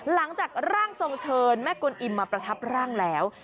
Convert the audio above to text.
หลังจากร่างทรงเชิญแม่กวนอิมมาประทับร่างแล้ว